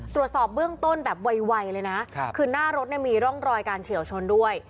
ตรวจสอบเบื้องต้นแบบไวเลยนะคือหน้ารถเนี่ยมีร่องรอยการเฉียวชนด้วย